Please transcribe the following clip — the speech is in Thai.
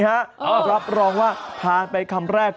มีผลัพรองว่าผ่านไปคำแรก